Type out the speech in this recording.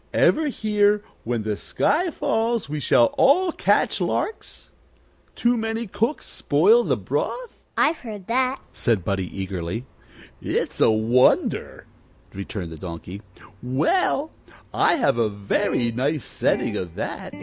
Ever hear, When the sky falls we shall all catch larks? Too many cooks spoil the broth?" "I've heard that," said Buddie, eagerly. "It's a wonder," returned the Donkey. "Well, I have a very nice setting of that."